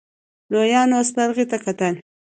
لويانو سپرغې ته کتل.